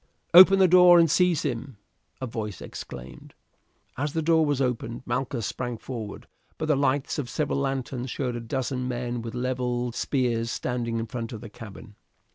"Open the door and seize him," a voice exclaimed. As the door was opened Malchus sprang forward, but the lights of several lanterns showed a dozen men with levelled spears standing in front of the cabin.